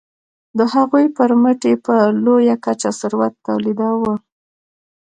د هغوی پرمټ یې په لویه کچه ثروت تولیداوه.